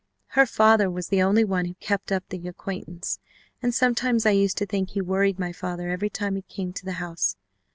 Her father was the only one who kept up the acquaintance, and sometimes I used to think he worried my father every time he came to the house.